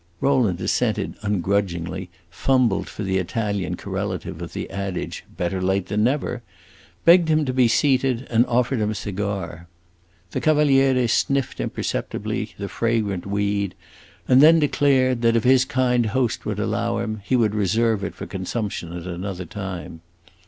Rowland assented, ungrudgingly fumbled for the Italian correlative of the adage "Better late than never," begged him to be seated, and offered him a cigar. The Cavaliere sniffed imperceptibly the fragrant weed, and then declared that, if his kind host would allow him, he would reserve it for consumption at another time.